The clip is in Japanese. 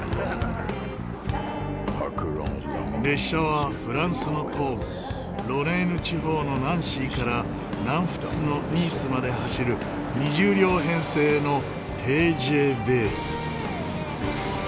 列車はフランスの東部ロレーヌ地方のナンシーから南仏のニースまで走る２０両編成のＴＧＶ。